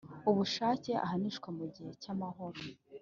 Ubushake ahanishwa mu gihe cy amahoro